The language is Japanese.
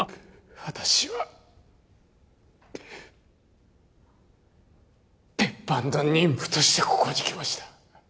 私は、別班の任務としてここに来ました。